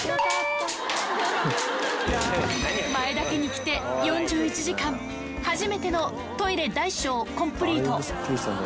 前田家に来て４１時間、初めてのトイレ大小コンプリート。